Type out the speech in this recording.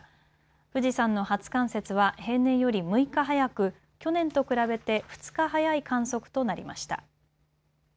富士山の初冠雪は平年より６日早く、去年と比べて２日早い観測となりました。